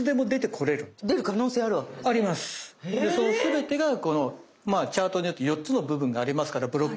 その全てがこのチャートによって４つの部分がありますからブロックが。